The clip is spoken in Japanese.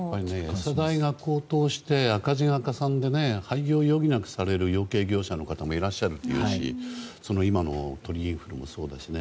餌代が高騰して赤字がかさんで廃業を余儀なくされる養鶏業者の方もいらっしゃるっていうし今の鳥インフルもそうだしね。